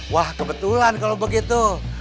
wah kebetulan kalau begitu